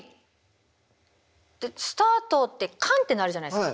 で「スタート」ってカンっていうのあるじゃないですか。